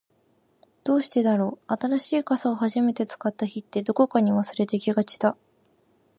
どうしてだろう、新しい傘を初めて使った日って、どこかに忘れてきがちだ。